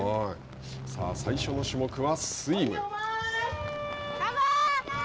さあ最初の種目はスイム。